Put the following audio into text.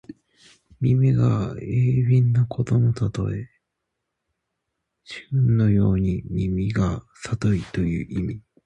耳が鋭敏なことのたとえ。師曠のように耳がさといという意味。